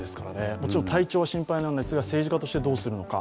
もちろん体調も心配ですが政治家としてどうするのか。